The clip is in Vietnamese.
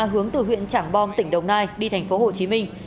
hướng từ huyện trảng bom tỉnh đồng nai đi thành phố hồ chí minh